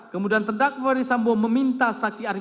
kemudian tdakwa ferdisambo meminta saksi arief rahim